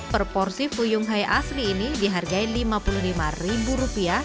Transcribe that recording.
per porsi fuyung hai asli ini dihargai rp lima puluh lima